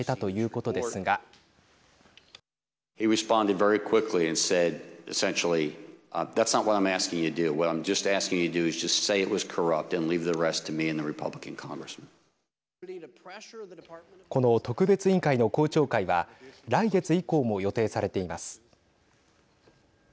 この特別委員会の公聴会は来月以降も予定されています。